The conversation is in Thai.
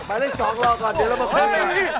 อ้าเดี๋ยวหมายเลข๒รอก่อนเดี๋ยวเรามาพี่หน่อย